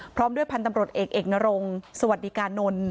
พร้อมด้วยพันธ์ตำรวจเอกเอกนรงสวัสดิกานนท์